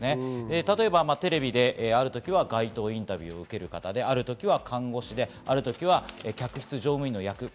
例えばテレビで、ある時は街頭インタビューを受ける方、ある時は看護師、またある時は客室乗務員の役です。